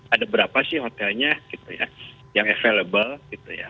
ada berapa sih hotelnya yang available